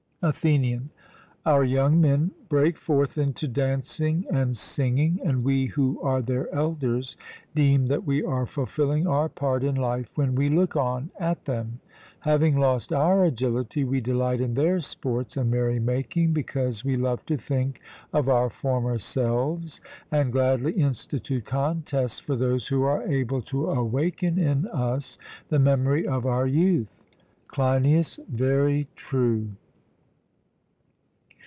ATHENIAN: Our young men break forth into dancing and singing, and we who are their elders deem that we are fulfilling our part in life when we look on at them. Having lost our agility, we delight in their sports and merry making, because we love to think of our former selves; and gladly institute contests for those who are able to awaken in us the memory of our youth. CLEINIAS: Very true.